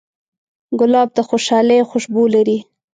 ګلاب د خوشحالۍ خوشبو لري.